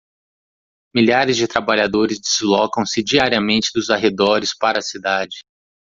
Milhares de trabalhadores deslocam-se diariamente dos arredores para a cidade.